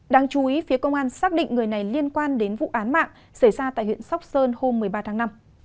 đáng chú ý phía công an xác định người này liên quan đến vụ án mạng xảy ra tại huyện sóc sơn hôm một mươi ba tháng năm